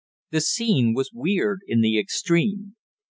The scene was weird in the extreme.